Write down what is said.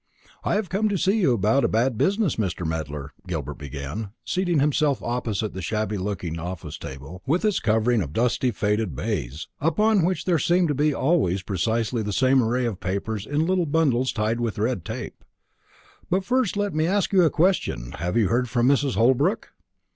"I have come to you about a bad business, Mr. Medler," Gilbert began, seating himself opposite the shabby looking office table, with its covering of dusty faded baize, upon which there seemed to be always precisely the same array of papers in little bundles tied with red tape; "but first let me ask you a question: Have you heard from Mrs. Holbrook?"